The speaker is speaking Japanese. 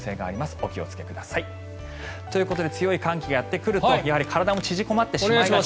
お気をつけください。ということで強い寒気がやってくると体も縮こまってしまいがち。